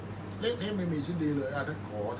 อันไหนที่มันไม่จริงแล้วอาจารย์อยากพูด